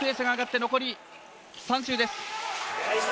残り３周です。